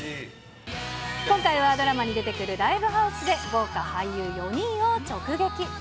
今回はドラマに出てくるライブハウスで、豪華俳優４人を直撃。